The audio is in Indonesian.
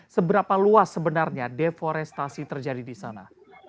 seberapa luas sebenarnya deforestasi terjadi di sana